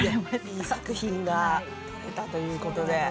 いい作品が撮れたということで。